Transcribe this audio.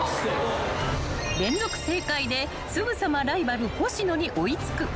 ［連続正解ですぐさまライバル星野に追い付く］